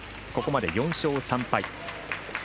ここまで４勝３敗。